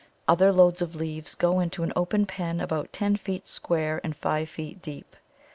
Other loads of leaves go into an open pen about ten feet square and five feet deep.